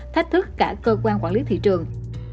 thách thức cả cơ quan quản lý thị trường